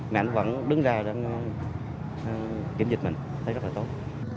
mà anh vẫn đứng ra kiểm dịch mình thấy rất là tốt